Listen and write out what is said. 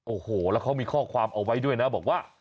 โอ้โหแล้วเขามีข้อความเอาไว้ด้วยนะบอกว่า